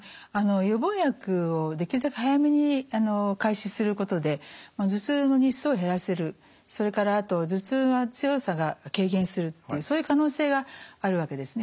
予防薬をできるだけ早めに開始することで頭痛の日数を減らせるそれからあと頭痛が強さが軽減するっていうそういう可能性があるわけですね。